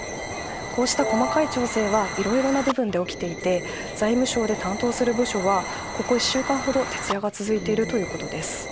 こうした細かい調整はいろいろな部分で起きていて財務省で担当する部署はここ１週間ほど徹夜が続いているということです。